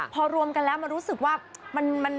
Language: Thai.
พอรวมกันแล้วมันรู้สึกว่า